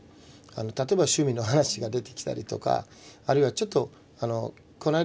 例えば趣味の話が出てきたりとかあるいはちょっとこないだ